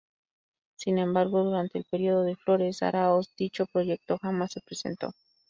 Sin embargo, durante el periodo de Flores Aráoz, dicho proyecto jamás se presentó.